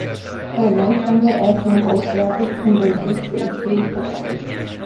For a large number of samples, the average converges to the true covariance.